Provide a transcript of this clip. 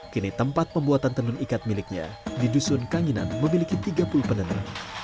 kini tempat pembuatan tenun ikat miliknya di dusun kangeninan memiliki tiga puluh penenun